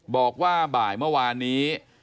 บอกว่าบ่ายเมื่อวานนี้